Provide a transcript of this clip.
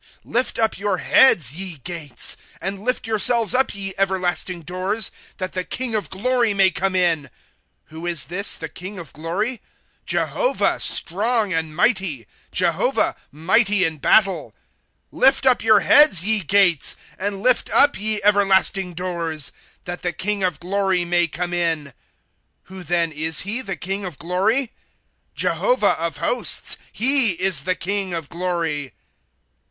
^ Lift up your heads, ye gates, And lift yourselves up, ye everlasting doors, That the King of glory may come in. ^ Who is this, the King of glory ? Jehovah, strong and mighty ; Jehovah, mighty in battle. ^ Lift up your heads, ye gates, And lift up, ye everlasting doors. That the King of glory may come in. ,^^ Who then is he, the King of glory? Jehovah of hosts ; He is the King of glory.